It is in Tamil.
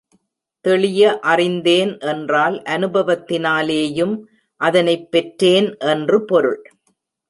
தெளிய அறிந்தேன் என்றால் அநுபவத்தினாலேயும் அதனைப் பெற்றேன் என்று பொருள்.